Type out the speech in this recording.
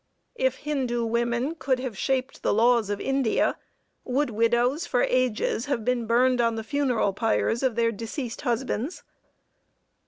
If Hindoo women could have shaped the laws of India, would widows for ages have been burned on the funeral pyres of their deceased husbands?